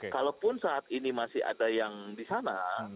kalaupun saat ini masih ada yang di sana